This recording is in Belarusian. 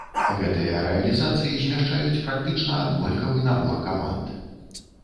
Гэтыя рэалізацыі змяшчаюць практычна аднолькавы набор каманд.